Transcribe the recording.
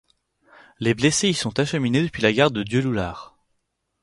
Les blessés y sont acheminés depuis la gare de Dieulouard.